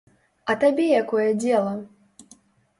А табе якое дзела?